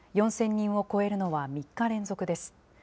４０００人を超えるのは３日連続です。